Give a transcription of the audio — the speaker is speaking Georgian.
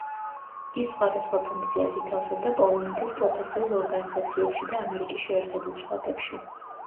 ის სხვადასხვა ფუნქციას ითავსებდა პოლონეთის პროფესიულ ორგანიზაციებში და ამერიკის შეერთებულ შტატებში.